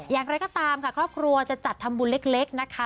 อย่างไรก็ตามค่ะครอบครัวจะจัดทำบุญเล็กนะคะ